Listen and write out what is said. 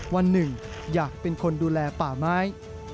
วันหนึ่งอยากเป็นคนดูแลป่าไม้